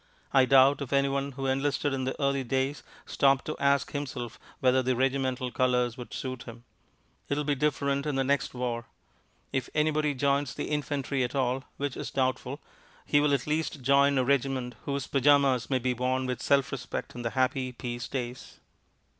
I doubt if anyone who enlisted in the early days stopped to ask himself whether the regimental colours would suit him. It will be different in the next war. If anybody joins the infantry at all (which is doubtful), he will at least join a regiment whose pyjamas may be worn with self respect in the happy peace days.